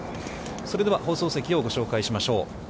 それでは、放送席をご紹介しましょう。